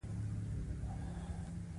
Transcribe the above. د کمپنۍ مدیره هیات وینسیټارټ ته وویل.